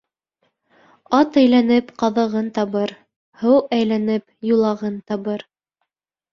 Ат әйләнеп, ҡаҙығын табыр, һыу әйләнеп, юлағын табыр